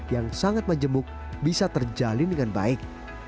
yang sangat menjemuk bisa terjalin dengan baik